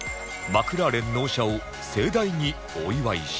マクラーレン納車を盛大にお祝いします！